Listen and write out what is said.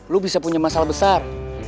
lu bisa punya masalah besar